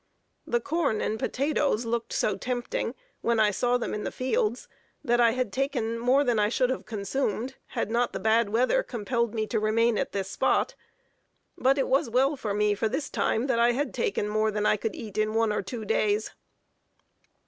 The corn and potatoes looked so tempting, when I saw them in the fields, that I had taken more than I should have consumed, had not the bad weather compelled me to remain at this spot; but it was well for me, for this time, that I had taken more than I could eat in one or two days.